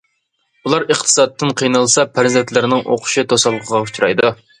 ئۇلار ئىقتىسادتىن قىينالسا، پەرزەنتلىرىنىڭ ئوقۇشى توسالغۇغا ئۇچرايدۇ.